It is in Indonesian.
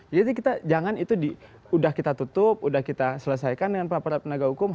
jadi kita jangan itu udah kita tutup udah kita selesaikan dengan para penegak hukum